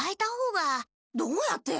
どうやって？